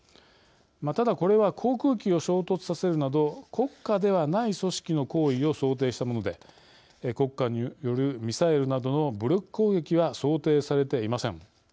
ただ、これは航空機を衝突させるなど国家ではない組織の行為を想定したもので国家によるミサイルなどの武力攻撃は想定されていません。